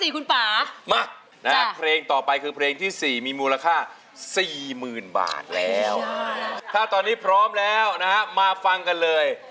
ขนาดคนบอกว่าโอ้โหใส่ตาเลย